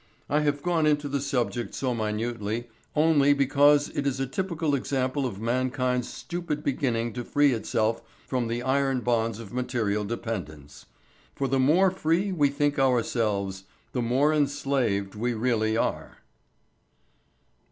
I have gone into the subject so minutely only because it is a typical example of mankind's stupid beginning to free itself from the iron bonds of material dependence. For the more free we think ourselves, the more enslaved we really are.